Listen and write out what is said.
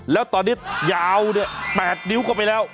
แล้วตอนนี้ยาวเนี่ย๘นิ้วกว่าไปแล้ว